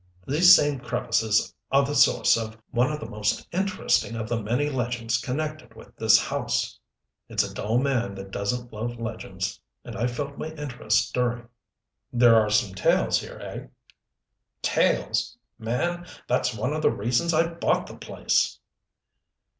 These same crevices are the source of one of the most interesting of the many legends connected with this house." It's a dull man that doesn't love legends, and I felt my interest stirring. "There are some tales here, eh?" "Tales! Man, that's one of the reasons I bought the place."